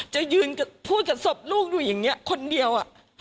จะยืนพูดกับศพลูกอยู่อย่างนี้คนเดียว